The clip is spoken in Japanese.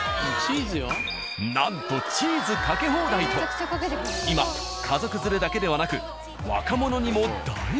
なんとチーズかけ放題と今家族連れだけではなく。